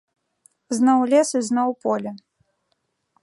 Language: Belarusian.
Зноў лес і зноў поле.